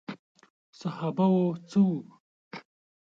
صحابه وو څخه وو.